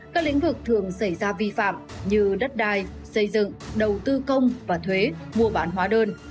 các lĩnh vực thường xảy ra vi phạm như đất đai xây dựng đầu tư công và thuế mua bán hóa đơn